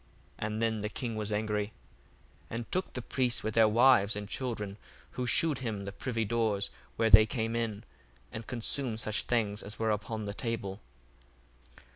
And then the king was angry, 1:21 And took the priests with their wives and children, who shewed him the privy doors, where they came in, and consumed such things as were upon the table.